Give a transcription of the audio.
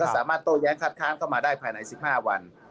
ก็สามารถโตแย้งคัดค้ำก็มาได้ภายใน๑๕วัน